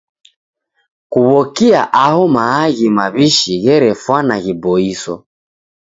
Kuw'okia aho maaghi maw'ishi gherefwana ghiboiso.